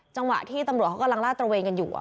จังหวะที่ตำรวจเขากำลังลาดตระเวนกันอยู่